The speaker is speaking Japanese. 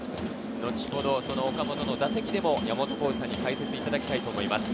岡本の打席でも山本浩二さんに解説いただきたいと思います。